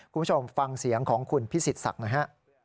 คุณผู้ชมฟังเสียงของคุณพิสิทธศักดิ์หน่อยฮะ